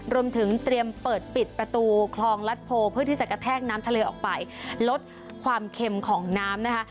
รวมถึงเตรียมเปิดปิดประตูคลองรัฐโพเพื่อที่จะกระแทกน้ำทะเลออกไปลดความเค็มของน้ำนะคะ